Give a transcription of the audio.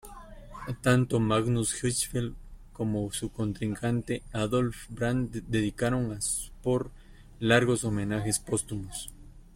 Tanto Magnus Hirschfeld como su contrincante Adolf Brand dedicaron a Spohr largos homenajes póstumos.